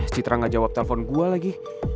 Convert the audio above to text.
citra gak jawab telpon gue lagi